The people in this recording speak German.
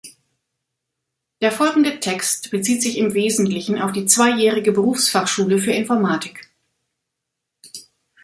Der folgende Text bezieht sich im Wesentlichen auf die zweijährige Berufsfachschule für Informatik.